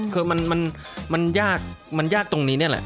คือมันยากมันยากตรงนี้นี่แหละ